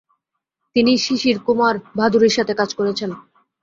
তিনি শিশির কুমার ভাদুড়ির সাথে কাজ করেছেন।